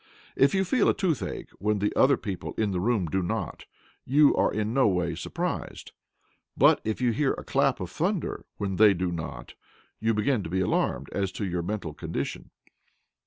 If you feel a toothache when the other people in the room do not, you are in no way surprised; but if you hear a clap of thunder when they do not, you begin to be alarmed as to your mental condition.